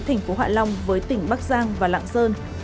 thành phố hạ long với tỉnh bắc giang và lạng sơn